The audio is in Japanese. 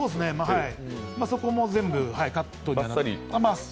そこも全部カットだったり。